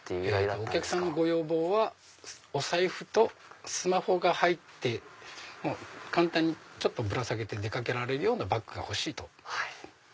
お客さんのご要望はお財布とスマホが入って簡単にちょっとぶら下げて出掛けられるバッグが欲しいと。